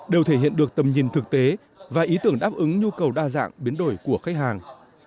đều thể hiện được tầm nhìn thực tế và ý tưởng đáp ứng nhu cầu đa dạng biến đổi của khách hàng